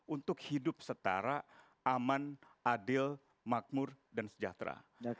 untuk hidup setara aman adil makmur dan sejahtera